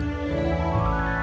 aku yang memutuskan